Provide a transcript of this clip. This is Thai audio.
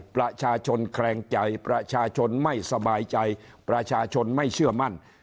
ประชาชนแคลงใจประชาชนไม่สบายใจประชาชนไม่เชื่อมั่น